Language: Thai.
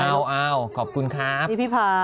เอาขอบคุณครับ